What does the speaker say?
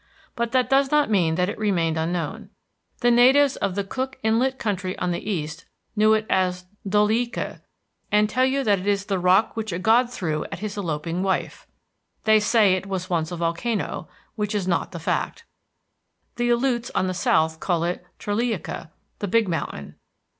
But that does not mean that it remained unknown. The natives of the Cook Inlet country on the east knew it as Doleika, and tell you that it is the rock which a god threw at his eloping wife. They say it was once a volcano, which is not the fact. The Aleutes on the south called it Traleika, the big mountain.